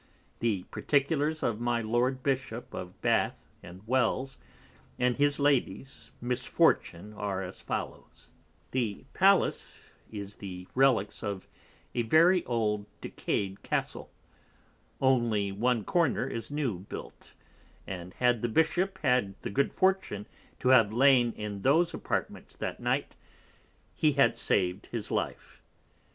The particulars of my Lord Bishop of Bath and Wells, and his Ladies Misfortune are as follows, The Palace is the Relicks of a very old decay'd Castle, only one Corner is new built; and had the Bishop had the good Fortune to have lain in those Apartments that Night, he had sav'd his Life.